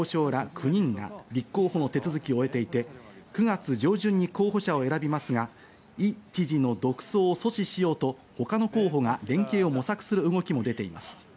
９人が立候補の手続きを終えていて、９月上旬に候補者を選びますが、イ知事の独走を阻止しようと他の候補が連携を模索する動きも出ています。